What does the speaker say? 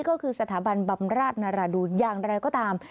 ก็คือสถาบันบำราชนรดูนอย่างไรก็ตาม